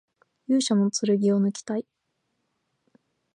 勇者の剣をぬきたい